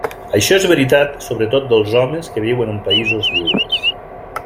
Això és veritat sobretot dels homes que viuen en països lliures.